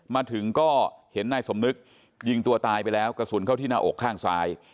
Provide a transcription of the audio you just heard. มาถึงก็เห็นนายสมนึกยิงตัวตายไปแล้วกระสุนเข้าที่หน้าอกข้างซ้าย